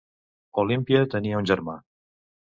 Olímpia tenia un germà.